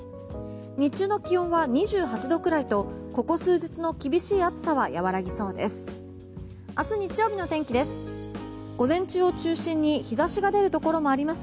日中の気温は２８度くらいとここ数日の厳しい暑さは和らぎそうです。